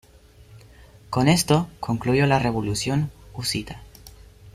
Con esto, concluyó la revolución husita.